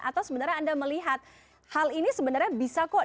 atau sebenarnya anda melihat hal ini sebenarnya bisa kok